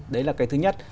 đấy là cái thứ nhất